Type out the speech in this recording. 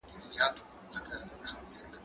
دا پاکوالي له هغه منظمه ده؟